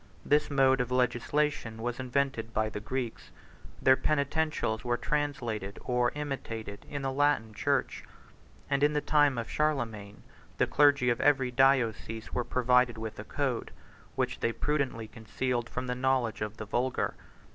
This mode of legislation was invented by the Greeks; their penitentials 23 were translated, or imitated, in the Latin church; and, in the time of Charlemagne, the clergy of every diocese were provided with a code, which they prudently concealed from the knowledge of the vulgar.